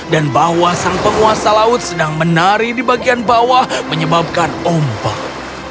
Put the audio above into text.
dan bahwa sang penguasa laut sedang menari di bagian bawah menyebabkan ombak